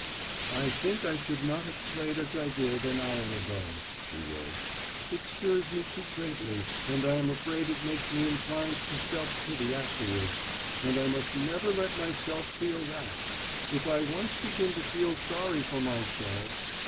"I think I should not have played as I did, an hour ago," she wrote. "It stirs me too greatly and I am afraid it makes me inclined to self pity afterward, and I must never let myself feel that! If I once begin to feel sorry for myself.